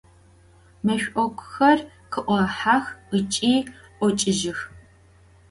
Meş'okuxer khı'ohex ıç'i 'oç'ıjıx.